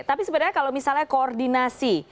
tapi sebenarnya kalau misalnya koordinasi